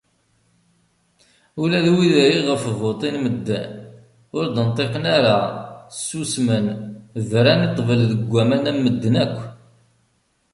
Ula d wid iƔef vuṭin medden, ur d-nṭiqen ara, ssusmen, bran i ṭṭbel deg waman am medden yakk.